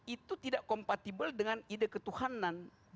itu tidak kompatibel dengan ide ketuhanan